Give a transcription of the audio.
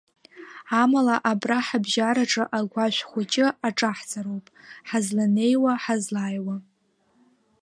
Амала, абра ҳабжьараҿы агәашә хәыҷы аҿаҳҵароуп, ҳазланеиуа, ҳазлааиуа…